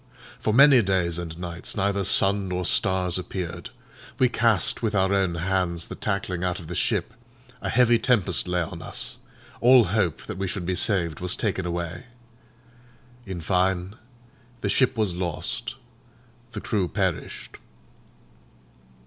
For many days and nights neither sun nor stars appeared; we cast with our own hands the tackling out of the ship; a heavy tempest lay on us; all hope that we should be saved was taken away. In fine, the ship was lost, the crew perished.